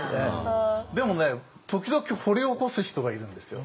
でもね時々掘り起こす人がいるんですよ。